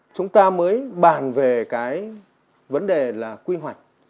chúng ta mới bàn về cái vấn đề là quy hoạch